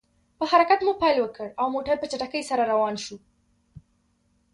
په حرکت مو پیل وکړ، او موټر په چټکۍ سره روان شو.